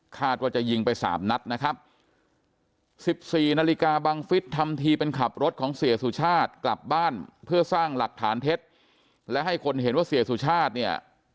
คาดว่าจะยิงไป๓นัดนะครับ๑๔นาฬิกาบังฟิศทำทีเป็นขับรถของเสียสุชาติ